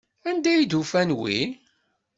Anda ay d-ufan wi?